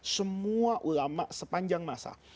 semua ulama sepanjang masa